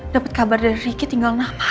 dapet kabar dari riki tinggal nama